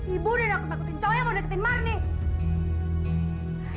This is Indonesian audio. ibu aku takutkan cowok yang mau deketin marnie